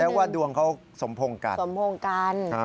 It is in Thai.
แสดงว่าดวงเขาสมพงกัน